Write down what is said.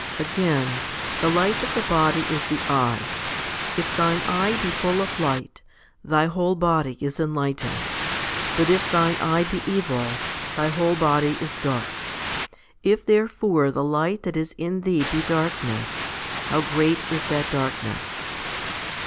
Again, The light of the body is the eye ; if thine eye be full of light, thy whole body is enlightened, but if thine eye be evil, thy whole body is dark. If therefore the light that is in thee be darkness, how great is that darkness?